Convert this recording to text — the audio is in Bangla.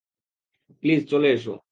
প্লিজ চলে এসো।